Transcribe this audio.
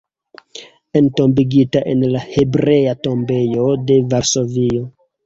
Entombigita en la Hebrea tombejo de Varsovio.